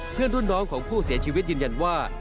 เพื่อนรุ่นน้องของผู้เสียชีวิตยืนยันว่า